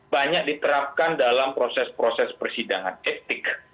banyak diterapkan dalam proses proses persidangan etik